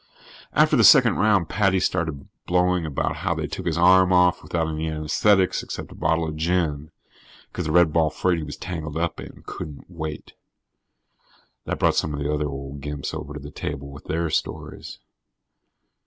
After the second round, Paddy started blowing about how they took his arm off without any anesthetics except a bottle of gin because the red ball freight he was tangled up in couldn't wait. That brought some of the other old gimps over to the table with their stories.